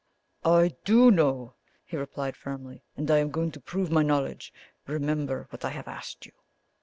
"I DO know," he replied firmly; "and I am going to prove my knowledge. Remember what I have asked you."